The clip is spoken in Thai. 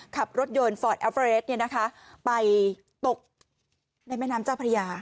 ขับรถยนต์ฟอร์ดเอเวอเรสเนี้ยนะคะไปตกในแม่น้ำเจ้าพระยา